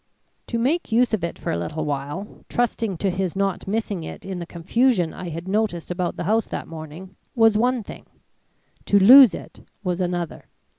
To make use of it for a little while, trusting to his not missing it in the confusion I had noticed about the house that morning, was one thing; to lose it was another.